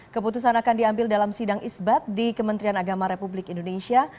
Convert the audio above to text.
keputusan akan diambil dalam sidang isbat di kementerian agama republik indonesia